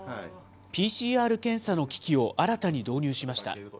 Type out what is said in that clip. ＰＣＲ検査の機器を、新たに導入しました。